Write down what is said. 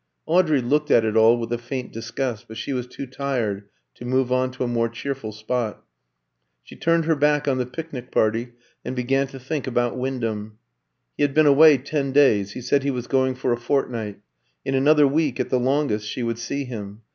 Audrey looked at it all with a faint disgust, but she was too tired to move on to a more cheerful spot. She turned her back on the picnic party, and began to think about Wyndham. He had been away ten days; he said he was going for a fortnight; in another week at the longest she would see him.